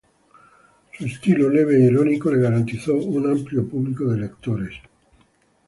Su estilo leve e irónico le garantizó un amplio público de lectores.